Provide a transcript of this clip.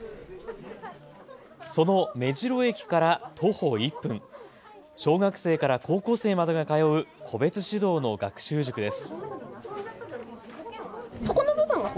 その目白駅から徒歩１分、小学生から高校生までが通う個別指導の学習塾です。